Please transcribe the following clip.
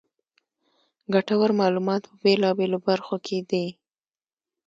ګټورمعلومات په بېلا بېلو برخو کې دي.